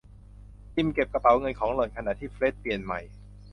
จิมเก็บกระเป๋าเงินของหล่อน ขณะที่เฟร็ดเปลี่ยนใหม่